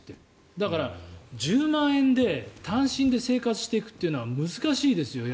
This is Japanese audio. だから、１０万円で単身で生活していくのは難しいですよ。